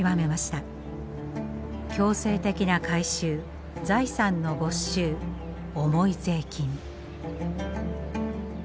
強制的な改宗財産の没収重い税金。